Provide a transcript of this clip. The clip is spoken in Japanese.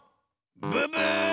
ブブー！